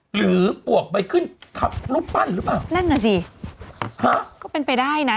ปวกไปขึ้นทับรูปปั้นหรือเปล่านั่นน่ะสิฮะก็เป็นไปได้นะ